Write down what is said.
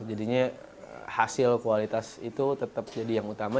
jadinya hasil kualitas itu tetap jadi yang utama